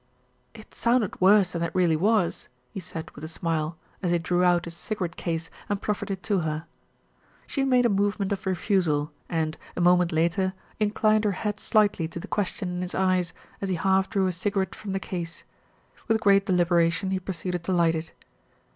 "It sounded worse than it really was," he said with a smile, as he drew out his cigarette case and preferred it to her. She made a movement of refusal and, a moment later, inclined her head slightly to the question in his eyes, as he half drew a cigarette from the case. With great deliberation he proceeded to light it.